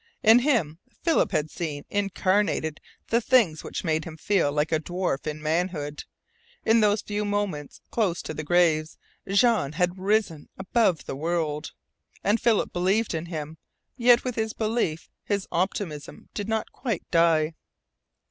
In him Philip had seen incarnated the things which made him feel like a dwarf in manhood. In those few moments close to the graves, Jean had risen above the world. And Philip believed in him. Yet with his belief, his optimism did not quite die.